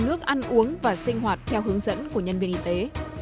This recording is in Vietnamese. nước ăn uống và sinh hoạt theo hướng dẫn của nhân viên y tế